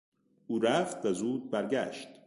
او رفت و زود برگشت.